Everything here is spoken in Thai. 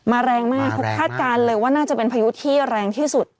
แรงมากเขาคาดการณ์เลยว่าน่าจะเป็นพายุที่แรงที่สุด